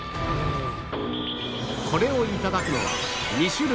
これを頂くのは２種類。